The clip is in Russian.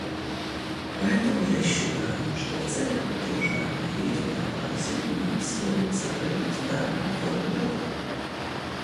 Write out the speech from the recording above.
Поэтому я считаю, что в целях поддержания единообразия нам следует сохранить данную формулировку.